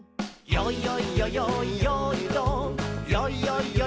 「よいよいよよいよーいドン」